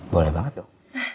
boleh banget yuk